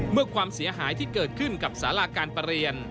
ความเสียหายที่เกิดขึ้นกับสาราการประเรียน